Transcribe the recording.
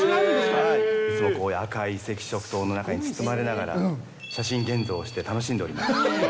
いつも赤い赤色灯の中に包まれながら、写真現像をして楽しんでおります。